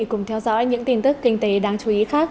cùng theo dõi những tin tức kinh tế đáng chú ý khác